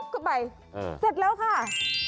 ก็ไปเสร็จแล้วค่ะ